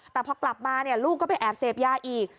แต่พอกลับมาลูกก็ไปแอบเสพยาอีก